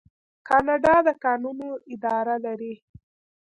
کاناډا د کانونو اداره لري.